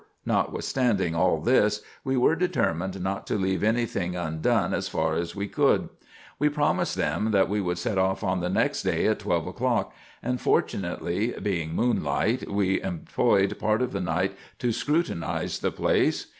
Notwithstanding all tins, we were determined not to leave any thing undone as far as we could. We promised them that we would set off on the next day at twelve o'clock, and fortunately being moonlight, we em ployed part of the night to scrutinize the place.